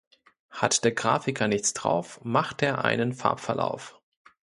Hat der Grafiker nichts drauf, macht er einen Farbverlauf.